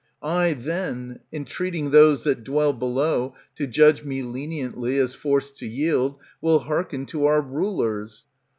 I then, entreating those that dwell below, To judge me leniently, as forced to yield, Will hearken to our rulers.